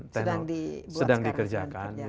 sedang dikerjakan sedang dikerjakan